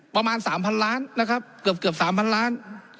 ประมาณสามพันล้านนะครับเกือบเกือบสามพันล้าน